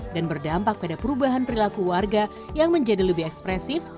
dan berdampak pada perubahan perilaku warga yang menjadi lebih ekspresif